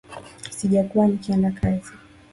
Sijakuwa nikienda kazi.